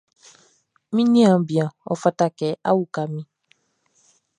Mi niaan bian, ɔ fata kɛ a uka min.